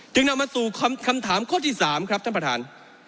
นำมาสู่คำถามข้อที่๓ครับท่านประธาน